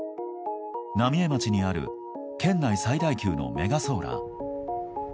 浪江町にある県内最大級のメガソーラー。